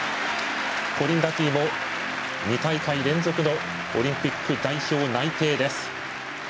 コリン・ダフィーも２大会連続のオリンピック代表内定です。